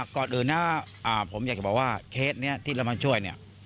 ก่อนอื่นนะผมอยากจะบอกว่าเคสนี้ที่เรามาช่วยเนี่ย